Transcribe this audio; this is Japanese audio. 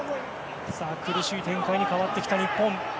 苦しい展開に変わってきた日本。